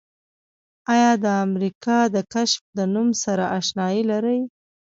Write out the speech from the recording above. آیا د امریکا د کشف د نوم سره آشنایي لرئ؟